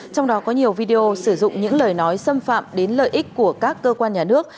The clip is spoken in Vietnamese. trong đó có nhiều video sử dụng những lời nói xâm phạm đến lợi ích của các cơ quan nhà nước